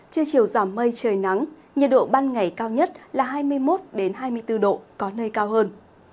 trưa chiều giảm mây trời nắng nhiệt độ ban ngày cao nhất là hai mươi một hai mươi bốn độ có nơi cao hơn